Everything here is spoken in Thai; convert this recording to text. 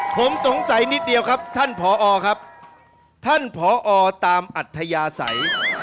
ผมสงสัยนิดเดียวครับท่านผอครับท่านผอตามอัธยาศัย